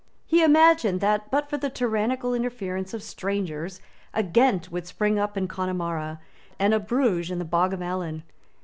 He imagined that, but for the tyrannical interference of strangers, a Ghent would spring up in Connemara, and a Bruges in the Bog of Allen.